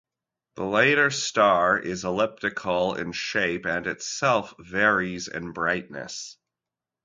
The latter star is elliptical in shape and itself varies in brightness.